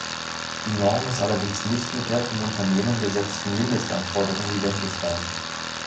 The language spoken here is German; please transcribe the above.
Die Norm muss allerdings nicht mit der vom Unternehmen gesetzten Mindestanforderung identisch sein.